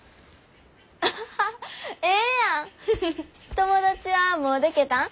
友達はもうでけたん？